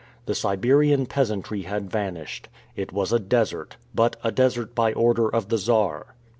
The Siberian peasantry had vanished. It was a desert, but a desert by order of the Czar.